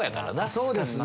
そうですね